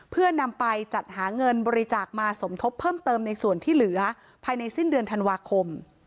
เพื่อนำไปจัดหาเงินบริจาคมาสมทบเพิ่มเติมในส่วนที่เหลือภายในสิ้นเดือนธันวาคม